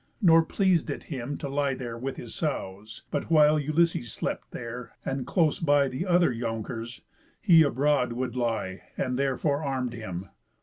Nor pleas'd it him to lie there with his sows, But while Ulysses slept there, and close by The other younkers, he abroad would lie, And therefore arm'd him.